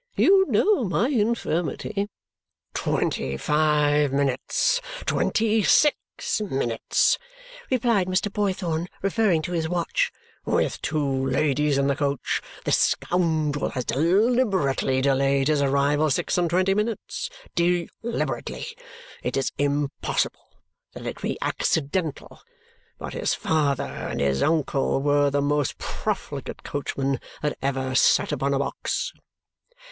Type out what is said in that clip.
"You know my infirmity." "Twenty five minutes! Twenty six minutes!" replied Mr. Boythorn, referring to his watch. "With two ladies in the coach, this scoundrel has deliberately delayed his arrival six and twenty minutes. Deliberately! It is impossible that it can be accidental! But his father and his uncle were the most profligate coachmen that ever sat upon a box."